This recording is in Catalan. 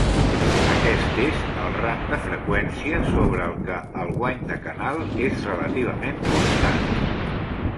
Aquest és el rang de freqüència sobre el què el guany de canal és relativament constant.